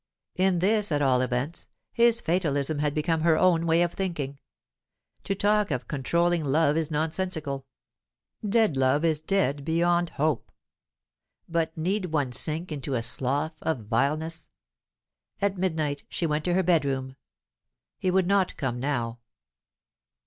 In this, at all events, his fatalism had become her own way of thinking. To talk of controlling love is nonsensical; dead love is dead beyond hope. But need one sink into a slough of vileness? At midnight she went to her bedroom. He would not come now.